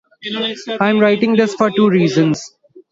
I'm Writing this for two reasons.